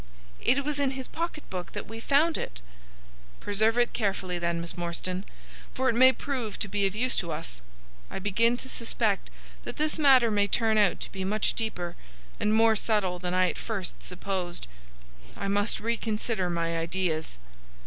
"It was in his pocket book that we found it." "Preserve it carefully, then, Miss Morstan, for it may prove to be of use to us. I begin to suspect that this matter may turn out to be much deeper and more subtle than I at first supposed. I must reconsider my ideas."